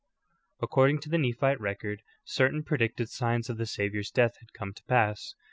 "'^ 26. According to the Nephite record, certain predicted signs of the Savior's death had come to pass.